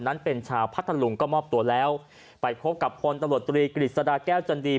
นั้นเป็นชาวพัทธลุงก็มอบตัวแล้วไปพบกับพลตำรวจตรีกฤษฎาแก้วจันดี